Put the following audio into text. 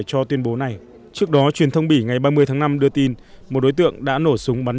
cho tuyên bố này trước đó truyền thông bỉ ngày ba mươi tháng năm đưa tin một đối tượng đã nổ súng bắn